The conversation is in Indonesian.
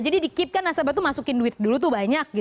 jadi dikipkan nasabah masukin duit dulu tuh banyak